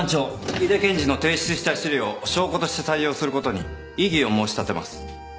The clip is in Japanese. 井出検事の提出した資料を証拠として採用することに異議を申し立てます。